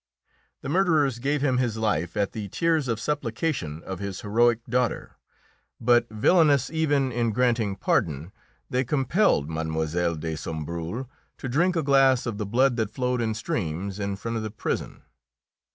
The murderers gave him his life at the tears of supplication of his heroic daughter, but, villainous even in granting pardon, they compelled Mlle. de Sombreuil to drink a glass of the blood that flowed in streams in front of the prison.